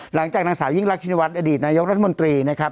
หลังจากนางสาวยิ่งรักชินวัฒนอดีตนายกรัฐมนตรีนะครับ